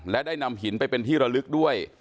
และได้นำหินไปเป็นที่ระลึกด้วย